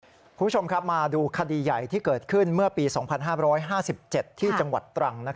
คุณผู้ชมครับมาดูคดีใหญ่ที่เกิดขึ้นเมื่อปี๒๕๕๗ที่จังหวัดตรัง